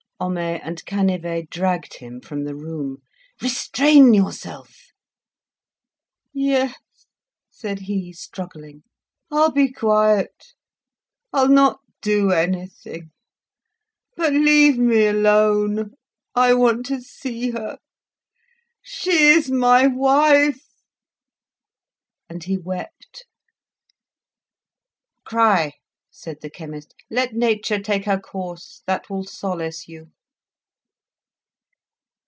Homais and Canivet dragged him from the room. "Restrain yourself!" "Yes." said he, struggling, "I'll be quiet. I'll not do anything. But leave me alone. I want to see her. She is my wife!" And he wept. "Cry," said the chemist; "let nature take her course; that will solace you."